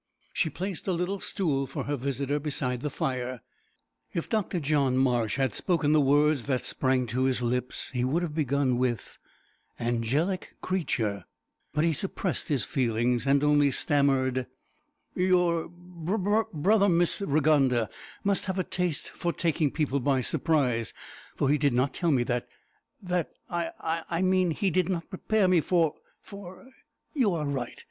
She placed a little stool for her visitor beside the fire. If Dr John Marsh had spoken the words that sprang to his lips he would have begun with "Angelic creature," but he suppressed his feelings and only stammered "Your b brother, Miss Rigonda, must have a taste for taking people by surprise, for he did not tell me that that I I mean he did not prepare me for for you are right.